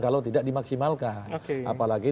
kalau tidak dimaksimalkan apalagi